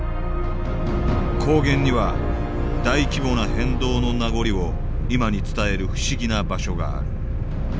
高原には大規模な変動の名残を今に伝える不思議な場所がある。